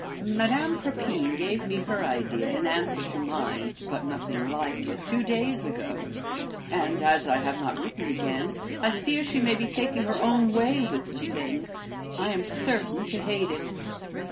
"Madame Crepine gave me her idea, in answer to mine, but nothing like it, two days ago; and, as I have not written again, I fear she may be taking her own way with the thing. I am certain to hate it."